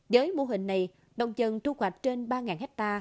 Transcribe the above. với mô hình này đồng chân thu hoạch trên ba hecta